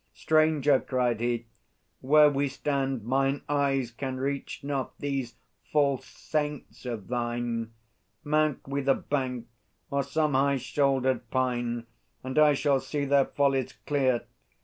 "Stranger," cried he, "where we stand Mine eyes can reach not these false saints of thine. Mount we the bank, or some high shouldered pine, And I shall see their follies clear!"